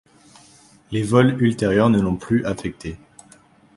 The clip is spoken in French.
Les vols ultérieurs ne l'ont plus affecté.